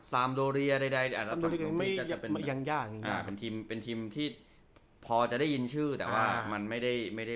ซามโดเรียใดใดซามโดเรียยังยากอ่าเป็นทีมเป็นทีมที่พอจะได้ยินชื่อแต่ว่ามันไม่ได้